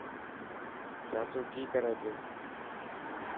چاچو ڪي ڪري پيو.